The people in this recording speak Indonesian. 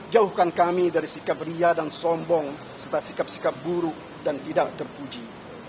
jauhkan kami dari sikap ria dan sombong serta sikap sikap buruk dan tidak terpuji